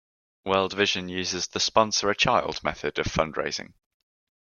World Vision uses the Sponsor a Child method of fundraising.